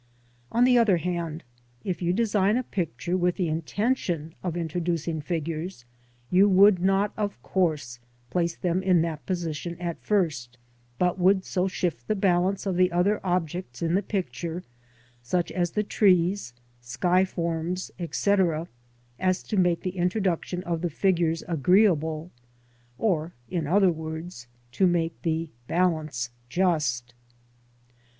On the other hand, if you design a picture with the intention of introducing figures, you would not of course place them in that position at first, but would so shift the balance of the other objects in the picture, such as the trees, sky forms, etc., as to make the introduction of the figures agreeable, or in other words, to make the balance just.